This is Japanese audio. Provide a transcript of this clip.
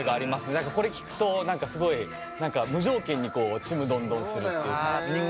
これを聴くと何かすごい無条件にちむどんどんするっていうか。